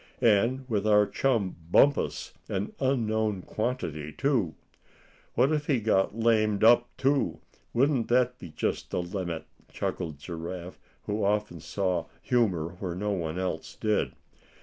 And with our chum Bumpus an unknown quantity too." "What if he got lamed up too; wouldn't that just be the limit?" chuckled Giraffe, who often saw humor where no one else did.